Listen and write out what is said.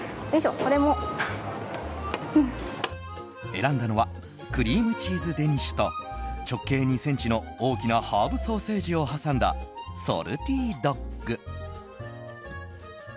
選んだのはクリームチーズデニッシュと直径２ｃｍの大きなハーブソーセージを挟んだソルティドッグ。